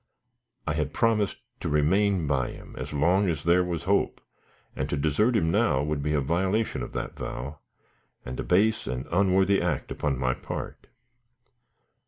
I had promised to remain by him as long as there was hope; and to desert him now, would be a violation of that vow, and a base and unworthy act upon my part.